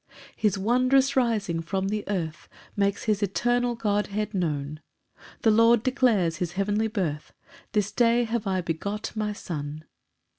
5 [His wondrous rising from the earth Makes his eternal Godhead known! The Lord declares his heavenly birth, "This day have I begot my Son.